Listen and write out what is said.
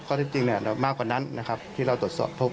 ที่จริงมากกว่านั้นนะครับที่เราตรวจสอบพบ